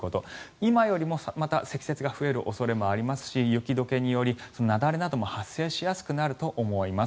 今よりもまた積雪が増える恐れもありますし雪解けにより雪崩なども発生しやすくなると思います。